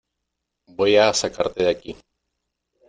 Voy a sacarte de aquí.